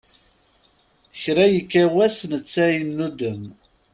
Kra yekka wass netta yennudem.